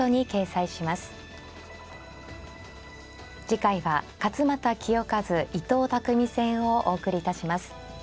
次回は勝又清和伊藤匠戦をお送りいたします。